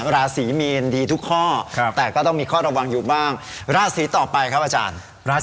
ราศีมีนดีทุกข้อแต่ก็ต้องมีข้อระวังอยู่บ้างราศีต่อไปครับอาจารย์